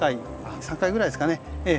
３回ぐらいですかね